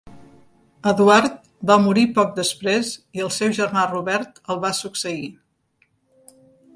Eduard va morir poc després i el seu germà Robert el va succeir.